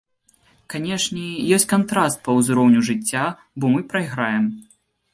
Канешне, ёсць кантраст па ўзроўню жыцця, бо мы прайграем.